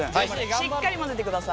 しっかり混ぜてください。